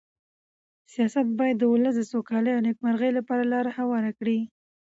سیاست باید د ولس د سوکالۍ او نېکمرغۍ لپاره لاره هواره کړي.